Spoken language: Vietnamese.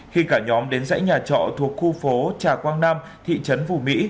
khi cả nhóm đến dãy nhà trọ thuộc khu phố trà quang nam thị trấn phù mỹ